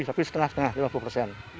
tapi setengah setengah lima puluh persen